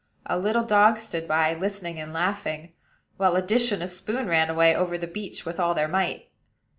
A little dog stood by, listening and laughing; while a dish and a spoon ran away over the beach with all their might.